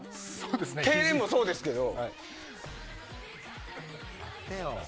けいれんもそうですけど。